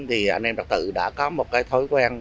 thì anh em đặc tự đã có một cái thói quen